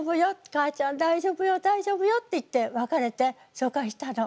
母ちゃん大丈夫よ大丈夫よって言って別れて疎開したの。